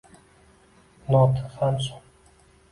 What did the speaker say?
Not Hamson